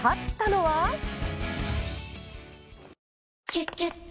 「キュキュット」